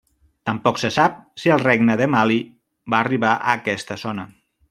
Tampoc se sap si el regne de Mali va arribar a aquesta zona.